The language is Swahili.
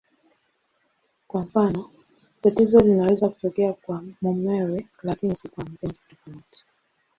Kwa mfano, tatizo linaweza kutokea kwa mumewe lakini si kwa mpenzi tofauti.